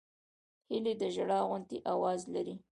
هیلۍ د ژړا غوندې آواز لري